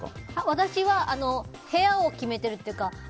私は部屋を決めてるっていうか